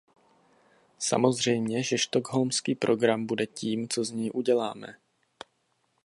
Samozřejmě, že stockholmský program bude tím, co z něj uděláme.